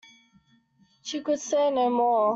She could say no more.